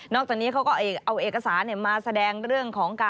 จากนี้เขาก็เอาเอกสารมาแสดงเรื่องของการ